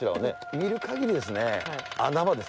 見る限りですね。